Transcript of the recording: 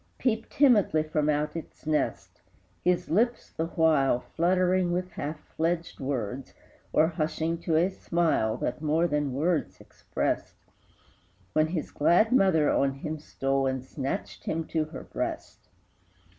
Peep timidly from out its nest, His lips, the while, Fluttering with half fledged words, Or hushing to a smile That more than words expressed, When his glad mother on him stole And snatched him to her breast!